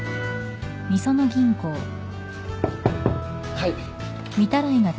・はい。